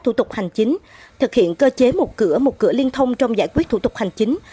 thủ tục hành chính thực hiện cơ chế một cửa một cửa liên thông trong giải quyết thủ tục hành chính